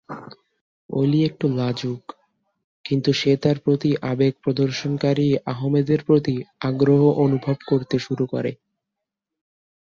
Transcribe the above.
এলি একটু লাজুক, কিন্তু সে তার প্রতি আবেগ প্রদর্শনকারী আহমেদের প্রতি আগ্রহ অনুভব করতে শুরু করে।